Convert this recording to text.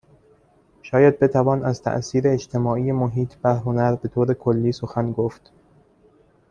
شاید بتوان از تاثیر اجتماعی محیط بر هنر به طور کلی سخن گفت